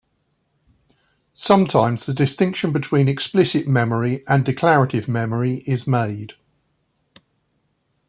Sometimes, the distinction between explicit memory and declarative memory is made.